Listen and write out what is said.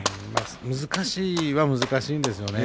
難しいは難しいんですよね